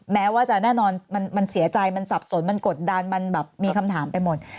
แม้ว่าจะแน่นอนมันเสียใจมันสับสนมันกดดันมันแบบมีคำถามไปหมด